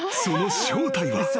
その正体は］